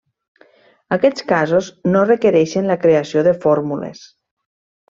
Aquests casos no requereixen la creació de fórmules.